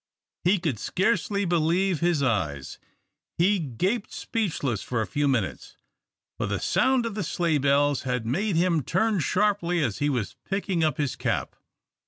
He could scarcely believe his eyes. He gaped speechless for a few minutes, for the sound of the sleigh bells had made him turn sharply as he was picking up his cap.